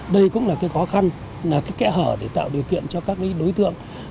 đây cũng là cái khó khăn là cái kẽ hở để tạo điều kiện cho các đối tượng